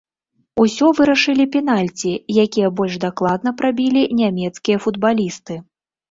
Усё вырашылі пенальці, якія больш дакладна прабілі нямецкія футбалісты.